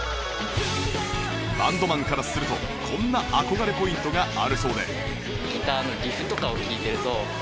バンドマンからするとこんな憧れポイントがあるそうで